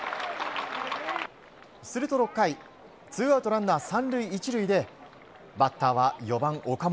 すると６回ツーアウトランナー３塁１塁でバッターは４番、岡本。